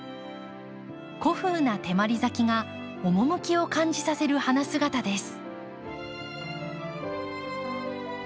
古風な手まり咲きが趣を感じさせる花姿です。